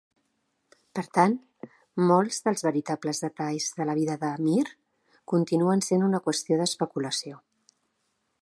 Per tant, molts dels "veritables detalls" de la vida de Mir continuen sent una qüestió d'especulació.